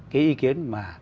cái ý kiến mà